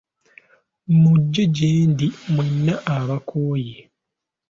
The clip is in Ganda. Muje gye ndi mwenna abakooye.